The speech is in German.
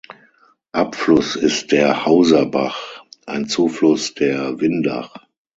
Abfluss ist der Hauser Bach, ein Zufluss der Windach.